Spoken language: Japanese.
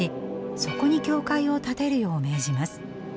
そこに教会を建てるよう命じます。